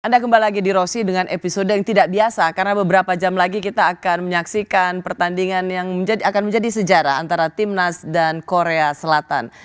anda kembali lagi di rosi dengan episode yang tidak biasa karena beberapa jam lagi kita akan menyaksikan pertandingan yang akan menjadi sejarah antara timnas dan korea selatan